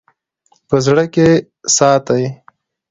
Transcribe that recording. په زړه کښې ساتي--